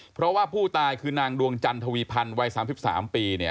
เพราะว่าผู้ตายคือนางดวงจันทวีพันธ์วัย๓๓ปี